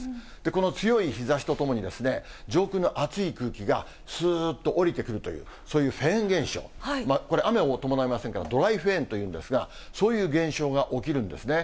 この強い日ざしとともに、上空の暑い空気がすーっと下りてくるという、そういうフェーン現象、これ、雨を伴いませんから、ドライフェーンというんですが、そういう現象が起きるんですね。